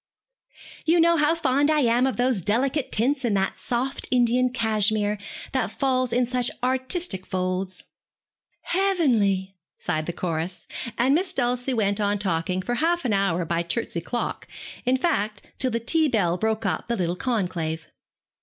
'You know how fond I am of those delicate tints in that soft Indian cashmere, that falls in such artistic folds.' 'Heavenly,' sighed the chorus, and Miss Dulcie went on talking for half an hour by Chertsey clock, in fact till the tea bell broke up the little conclave.